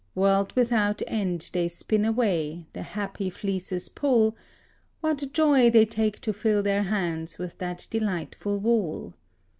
World without end they spin away, the happy fleeces pull; What joy they take to fill their hands with that delightful wool!